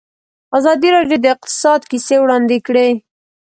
ازادي راډیو د اقتصاد کیسې وړاندې کړي.